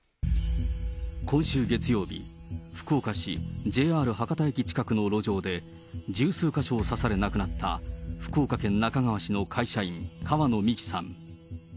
今週月曜日、福岡市ＪＲ博多駅近くの路上で、１０数箇所を刺され亡くなった、福岡家那珂川市の会社員、川野美樹さん。